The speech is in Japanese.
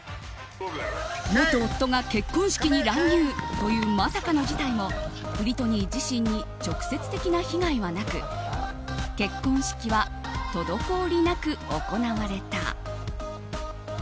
元夫が結婚式に乱入というまさかの事態もブリトニー自身に直接的な被害はなく結婚式は滞りなく行われた。